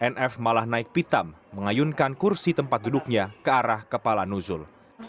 nf malah naik pitam mengayunkan kursi tempat duduknya ke arah kepala nuzul